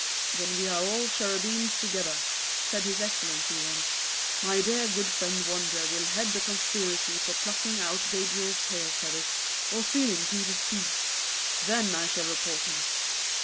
'When we are all cherubims together,' said His Excellency once, 'my dear, good friend Wonder will head the conspiracy for plucking out Gabriel's tail feathers or stealing Peter's keys. Then I shall report him.'